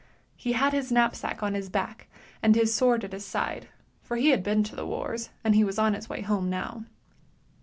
He had his knapsack on his back and his sword at his side, for he had been to the wars, and he was on his way home now.